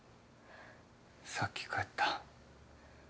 さっき帰った。